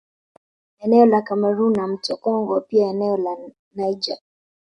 Eneo la Cameroon na mto Congo pia eneo la Niger